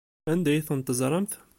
Anda ay tent-teẓramt?